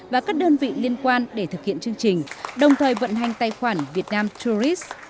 và các đơn vị liên quan để thực hiện chương trình đồng thời vận hành tài khoản việt nam tourist